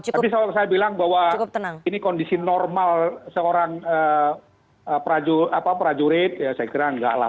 tapi saya bilang bahwa ini kondisi normal seorang prajurit ya saya kira enggak lah